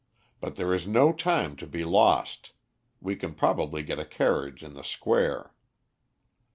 But there is no time to be lost. We can probably get a carriage in the square."